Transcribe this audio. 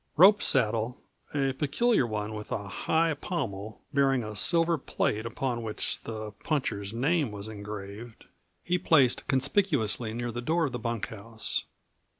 Rope's saddle a peculiar one with a high pommel bearing a silver plate upon which the puncher's name was engraved he placed conspicuously near the door of the bunkhouse.